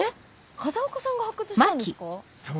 風岡さんが発掘したんですか？